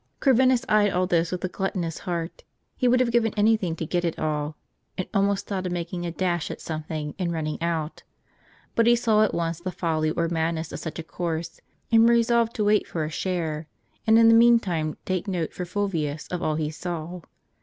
Corvinus eyed all this with a gluttonous heart. He would have given anything to get it all, and almost thought of mak ing a dash at something, and running out. But he saw at once the folly or madness of such a course, and resolved to wait for a share, and in the meantime take note for Fulvius of all he saw.